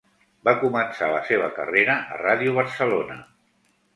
Va començar la seva carrera a Ràdio Barcelona.